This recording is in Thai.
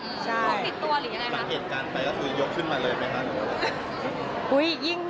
บางเหตุการณ์ไปก็คือยกขึ้นมาเลยไหมค่ะ